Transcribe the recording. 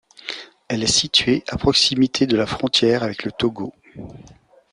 Elle est située à proximité de la frontière avec le Togo.